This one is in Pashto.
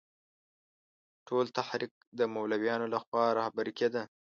ټول تحریک د مولویانو له خوا رهبري کېده.